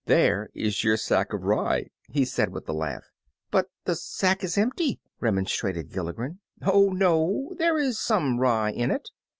"There is your sack of rye," he said, with a laugh. "But the sack is empty!" remonstrated Gilligren. "Oh, no; there is some rye in it."